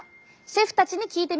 シェフたちに聞いてみました。